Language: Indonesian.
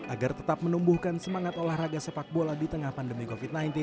agar tetap menumbuhkan semangat olahraga sepak bola di tengah pandemi covid sembilan belas